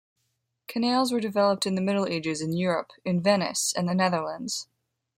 Canals were developed in the Middle Ages in Europe in Venice and the Netherlands.